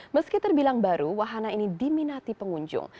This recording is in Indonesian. meski terbilang baru wahana ini diminati pengunjung